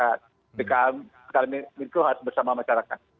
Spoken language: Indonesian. ppkm skala mikro harus bersama masyarakat